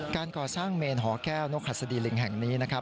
การก่อสร้างเมนหอแก้วนกหัสดีลิงแห่งนี้นะครับ